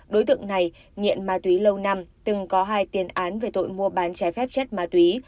đối tượng này nghiện ma túy lâu năm từng có hai tiền án về tội mua bán trái phép chất ma túy